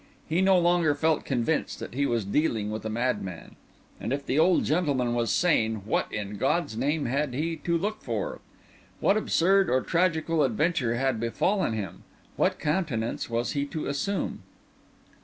He no longer felt convinced that he was dealing with a madman. And if the old gentleman was sane, what, in God's name, had he to look for? What absurd or tragical adventure had befallen him? What countenance was he to assume?